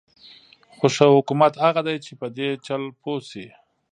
خو ښه حکومت هغه دی چې په دې چل پوه شي.